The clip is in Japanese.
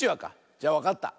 じゃわかった。